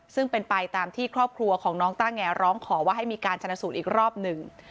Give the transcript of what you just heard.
ซึ่งเป็นไปตามที่ครอบครัวของน้องต้าแงร้องขอว่าให้มีการชนะสูตรอีกรอบหนึ่ง